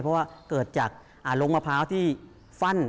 เพราะว่าเกิดจากลงมะพร้าวที่ฟั่น